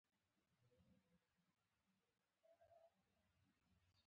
په همدې کال یې د بونیس ایرس په نوم ښار تاسیس کړ.